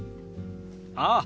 ああ。